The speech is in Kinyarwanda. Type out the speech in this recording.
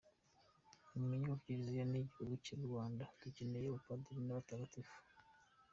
Mumenye ko Kiliziya, n’igihugu cy’u Rwanda dukeneye abapadiri b’abatagatifu ».